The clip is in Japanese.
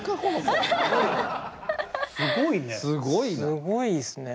すごいね。